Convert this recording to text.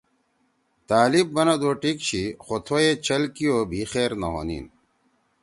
طألب بنَدُو: ”ٹِک چھی! خو تھوئی چھل کیِو بھی خیر نہ ہونیِن۔“